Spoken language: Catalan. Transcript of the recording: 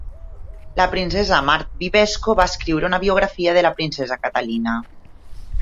La princesa Marthe Bibesco va escriure una biografia de la princesa Catalina.